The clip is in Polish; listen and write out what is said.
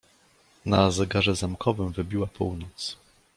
"Na zegarze zamkowym wybiła północ."